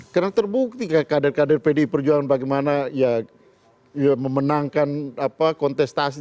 karena terbukti kader kader pdi perjuangan bagaimana memenangkan kontestasi